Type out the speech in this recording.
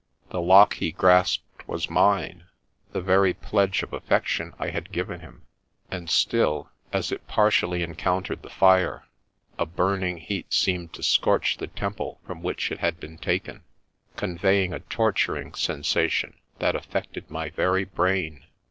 — the lock he grasped was mine, the very pledge of affection I had given him, and still, as it partially encountered the fire, a burning heat seemed to scorch the temple from which it had been taken, conveying a torturing sensation that affected my very brain.